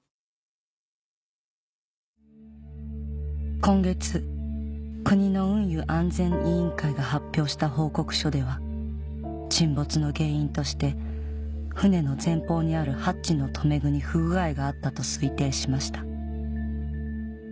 今月国の運輸安全委員会が発表した報告書では沈没の原因として船の前方にあるハッチの留め具に不具合があったと推定しました